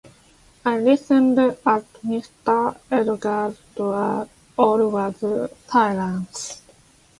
I listened at Mr. Edgar’s door; all was silence.